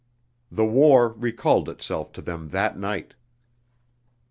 The war recalled itself to them that night.